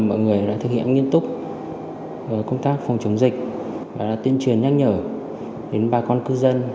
mọi người đã thực hiện nghiêm túc công tác phòng chống dịch và tuyên truyền nhắc nhở đến bà con cư dân